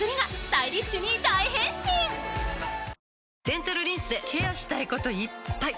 デンタルリンスでケアしたいこといっぱい！